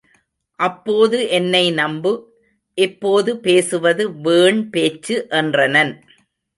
அப்போது என்னை நம்பு, இப்போது பேசுவது வீண் பேச்சு என்றனன்.